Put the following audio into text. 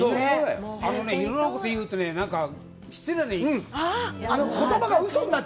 あのね、いろんなことを言うと失礼な。